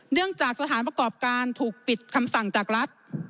จากสถานประกอบการถูกปิดคำสั่งจากรัฐ